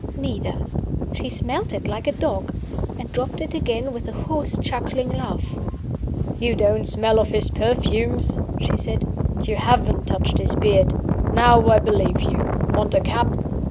Neither. She smelt it like a dog and dropped it again with a hoarse chuckling laugh. "You don't smell of his perfumes," she said. "You haven't touched his beard. Now I believe you. Want a cab?"